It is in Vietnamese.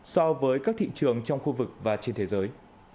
so với các thị trường trong khu vực và trên thế giới